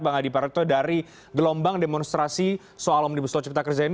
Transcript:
bang adi praetno dari gelombang demonstrasi soal omnibus law cipta kerja ini